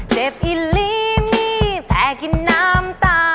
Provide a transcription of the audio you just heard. เจ็บอิลีมีแต่กินน้ำตา